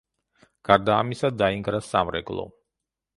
გარდა ამისა დაინგრა სამრეკლო.